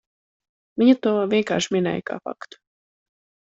Viņa to vienkārši minēja kā faktu.